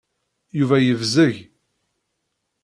Yuba yebzeg.